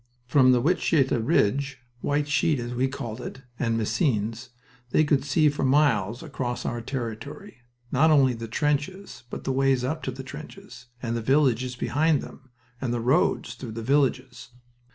From the Wytschaete Ridge (White sheet, as we called it) and Messines they could see for miles across our territory, not only the trenches, but the ways up to the trenches, and the villages behind them and the roads through the villages.